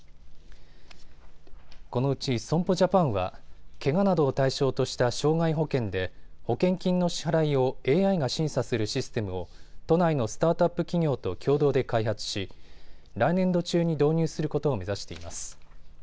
このうち損保ジャパンはけがなどを対象とした傷害保険で保険金の支払いをＡＩが審査するシステムを都内のスタートアップ企業と共同で開発し来年度中に導入することを目指しています。